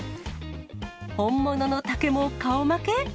本物の竹も顔負け？